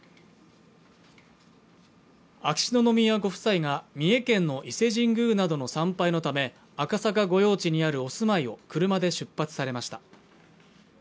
秋篠宮ご夫妻が三重県の伊勢神宮などの参拝のため赤坂御用地にあるお住まいを車で出発されました